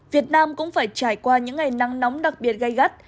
việt nam cũng phải trải qua những ngày nắng nóng đặc biệt gai gắt